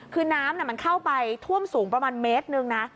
คือน้ำมันเข้าไปท่วมสูงประมาณเมตรหนึ่งนะ